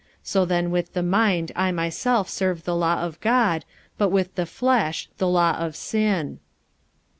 So then with the mind I myself serve the law of God; but with the flesh the law of sin.